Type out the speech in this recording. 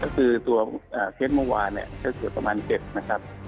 ก็คือตัวเคสเมื่อวานเนี่ยก็เกือบประมาณ๗นะครับ